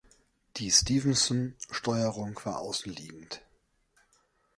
Die Stephenson-Steuerung war außenliegend.